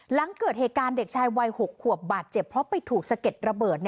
หลังเกิดเหตุการณ์เด็กชายวัย๖ขวบบาดเจ็บเพราะไปถูกสะเก็ดระเบิด